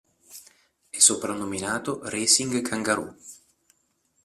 È soprannominato "Racing Kangaroo".